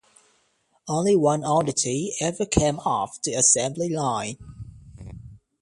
Only one Audity ever came off the assembly line.